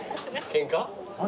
ケンカ？